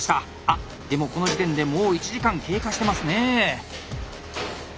あっでもこの時点でもう１時間経過してますねえ。